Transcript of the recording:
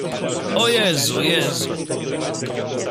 "O Jezu, Jezu!"